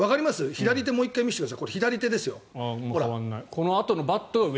左手、もう１回見てください。